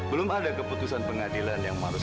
belum ada keputusan pengadilan yang harus